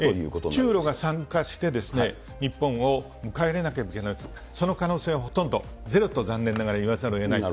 中ロが参加して、日本を迎え入れなければいけない、その可能性はほとんどゼロと残念ながらいわざるをえない。